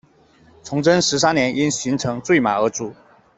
崇祯十三年因巡城坠马而卒。